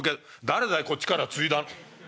誰だいこっちからついだ。